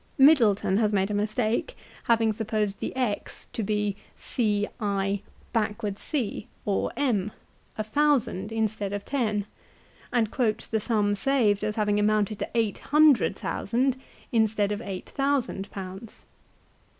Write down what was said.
Middleton has made a mistake having supposed the X to be CIO or M, a thousand instead of ten, and quotes the sum saved as having amounted to eight hundred thousand instead of eight thousand pounds.